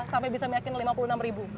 sampai bisa meyakin lima puluh enam ribu